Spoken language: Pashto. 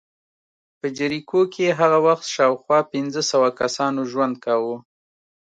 په جریکو کې هغه وخت شاوخوا پنځه سوه کسانو ژوند کاوه